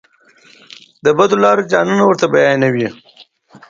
د بدو لارو زیانونه ورته بیانوي.